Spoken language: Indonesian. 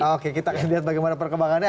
oke kita akan lihat bagaimana perkembangannya